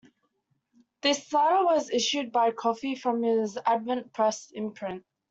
This latter was issued by Coffey from his Advent Press imprint.